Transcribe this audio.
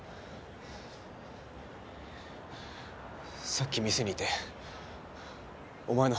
さっき店にいてお前の話聞いてた。